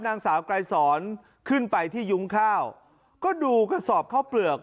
นางสาวไกรสอนขึ้นไปที่ยุ้งข้าวก็ดูกระสอบข้าวเปลือก